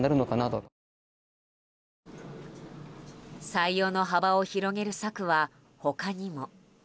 採用の幅を広げる策は他にも。